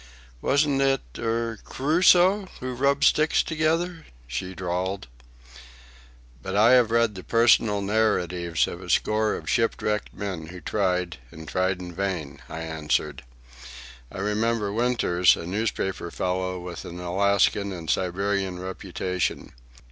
"Wasn't it—er—Crusoe who rubbed sticks together?" she drawled. "But I have read the personal narratives of a score of shipwrecked men who tried, and tried in vain," I answered. "I remember Winters, a newspaper fellow with an Alaskan and Siberian reputation.